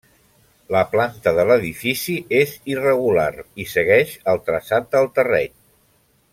La planta de l'edifici és irregular, i segueix el traçat del terreny.